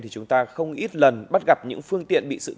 thì chúng ta không ít lần bắt gặp những phương tiện bị sử dụng